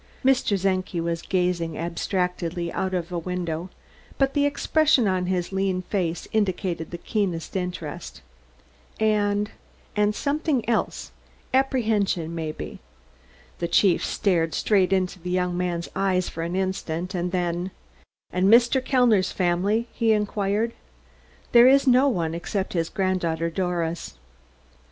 Mr. Czenki was gazing abstractedly out of a window, but the expression on his lean face indicated the keenest interest, and and something else; apprehension, maybe. The chief stared straight into the young man's eyes for an instant, and then: "And Mr. Kellner's family?" he inquired. "There is no one, except his granddaughter, Doris."